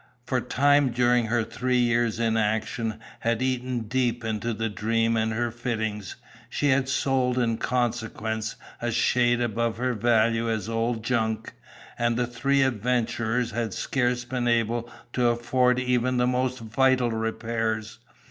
For time, during her three years' inaction, had eaten deep into the Dream and her fittings; she had sold in consequence a shade above her value as old junk; and the three adventurers had scarce been able to afford even the most vital repairs.